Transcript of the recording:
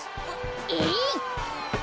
えい！